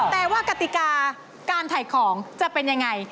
แต่ว่ากติกาการถ่ายของจะเป็นยังไง